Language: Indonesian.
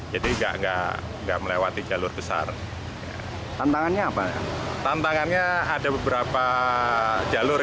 jadi enggak enggak enggak melewati jalur besar tantangannya apa tantangannya ada beberapa jalur